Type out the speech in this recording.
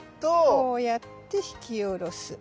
こうやって引き下ろす。